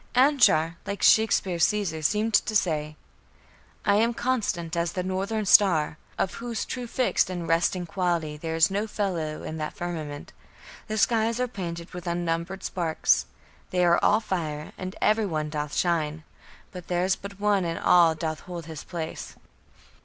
Anshar, like Shakespeare's Caesar, seemed to say: I am constant as the northern star, Of whose true fixed and resting quality There is no fellow in the firmament. The skies are painted with unnumbered sparks; They are all fire, and every one doth shine; But there's but one in all doth hold his place.